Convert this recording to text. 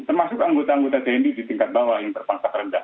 termasuk anggota anggota tni di tingkat bawah yang terpangkat rendah